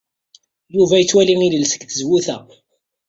Yuba yettwali ilel seg tzewwut-a.